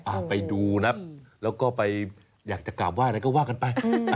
ไปดูนะแล้วก็ไปอยากจะกราบไห้อะไรก็ว่ากันไป